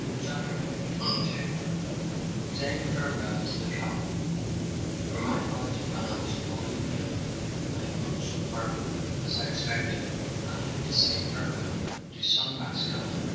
CHAPTER XXII Saying Farewell to the Cabin "For my part," announced Polly O'Neill, "I am not so heart broken as I expected at having to say farewell to Sunrise cabin.